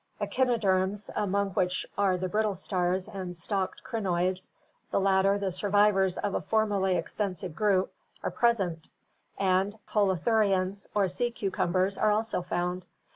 Echinoderms, among which are the brittle stars and stalked crinoids, the latter the survivors of a formerly extensive group, are present, and holothurians or sea cucumbers are also found.